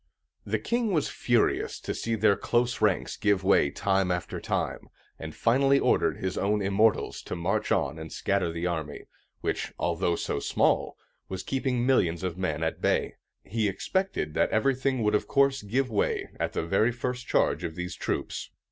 The king was furious to see their close ranks give way time after time, and finally ordered his own Immortals to march on and scatter the army, which, although so small, was keeping millions of men at bay. He expected that everything would of course give way at the very first charge of these troops.